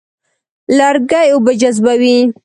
لرګی اوبه جذبوي.